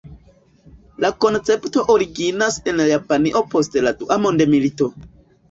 La koncepto originas en Japanio post la Dua Mondmilito.